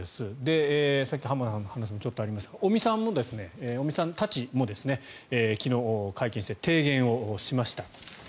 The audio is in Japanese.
さっき浜田さんの話にもちょっとありましたが尾身さんたちも昨日、会見して提言をしました。